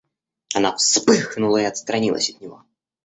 Она вспыхнула и отстранилась от него.